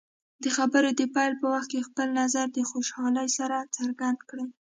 د خبرو د پیل په وخت کې خپل نظر د خوشحالۍ سره څرګند کړئ.